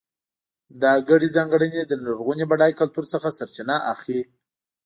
دا ګډې ځانګړنې له لرغوني بډای کلتور څخه سرچینه اخلي.